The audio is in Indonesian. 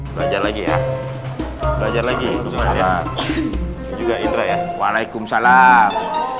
belajar lagi ya belajar lagi juga indra ya waalaikumsalam